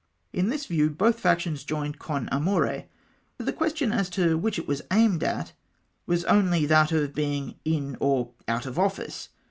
In this view both factions joined con amore, for the question as to which it was aimed at was only that of being in or out of office.